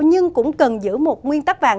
nhưng cũng cần giữ một nguyên tắc vàng